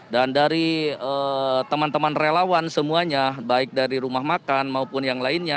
dan dari teman teman relawan semuanya baik dari rumah makan maupun yang lainnya